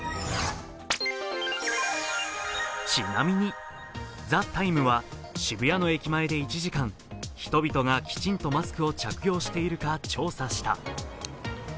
ちなみに、「ＴＨＥＴＩＭＥ，」は渋谷の駅前で１時間、人々がきちんとマスクを着用しているか調査した。